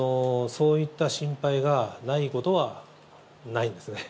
そういった心配がないことはないんですね。